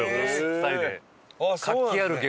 ２人で。